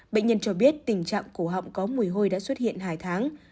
bệnh nhân cho biết tình trạng cổ họng có mùi hôi đã xuất hiện hai tháng